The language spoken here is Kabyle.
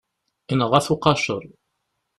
Inɣa-t uqaceṛ.